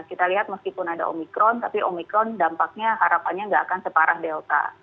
kita lihat meskipun ada omikron tapi omikron dampaknya harapannya nggak akan separah delta